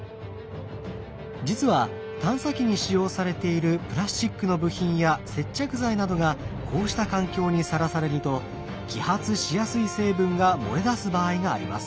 実は探査機に使用されているプラスチックの部品や接着剤などがこうした環境にさらされると揮発しやすい成分が漏れ出す場合があります。